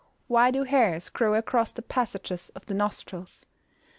_Why do hairs grow across the passages of the nostrils?